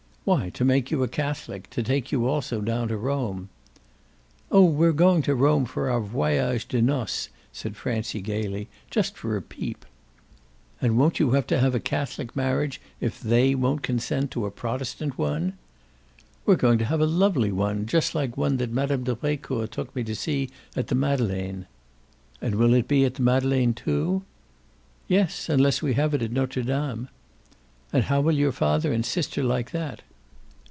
"Why to make you a Catholic, to take you also down to Rome." "Oh we're going to Rome for our voyage de noces!" said Francie gaily. "Just for a peep." "And won't you have to have a Catholic marriage if They won't consent to a Protestant one." "We're going to have a lovely one, just like one that Mme. de Brecourt took me to see at the Madeleine." "And will it be at the Madeleine, too?" "Yes, unless we have it at Notre Dame." "And how will your father and sister like that?"